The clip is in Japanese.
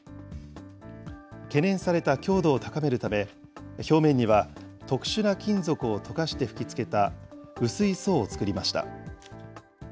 懸念された強度を高めるため、表面には特殊な金属を溶かして吹きつけた薄い層を作りました。